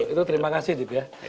itu terima kasih gitu ya